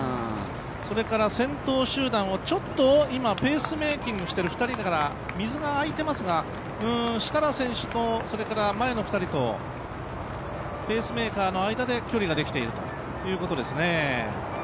それから先頭集団をちょっと、ペースメーキングしてる２人から水があいていますが設楽選手と、前の２人とペースメーカーの間で距離ができているということですね。